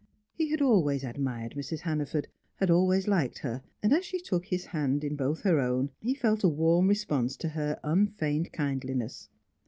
He had always admired Mrs. Hannaford, had always liked her, and as she took his hand in both her own, he felt a warm response to her unfeigned kindliness.